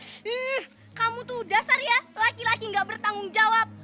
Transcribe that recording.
wih kamu tuh dasar ya laki laki gak bertanggung jawab